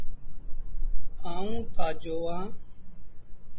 آئوٚݩ تآجو اهآݩ۔